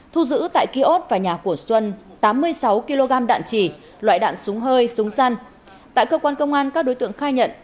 thu giữ tại ký ốt và nhà của xuân tám mươi sáu kg